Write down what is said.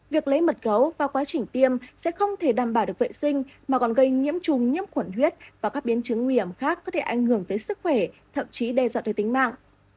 việc lấy mật gấu vào quá trình tiêm sẽ không thể đảm bảo được vệ sinh mà còn gây nhiễm trùng nhiễm khuẩn huyết và các biến chứng nguy hiểm khác có thể ảnh hưởng tới sức khỏe thậm chí đe dọa tới tính mạng